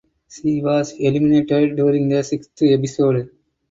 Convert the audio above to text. She was eliminated during the sixth episode.